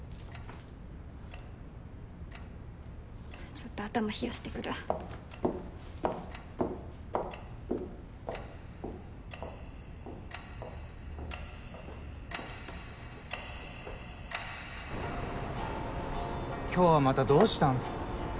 ちょっと頭冷やしてくる今日はまたどうしたんすか？